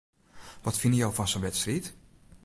Wat fine jo fan sa'n wedstriid?